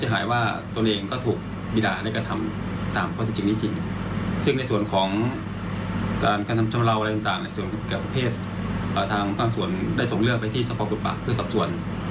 หรือที่สะพอกุฎบากหรือสอบส่วน